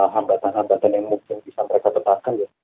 hambatan hambatan yang mungkin bisa mereka tetapkan ya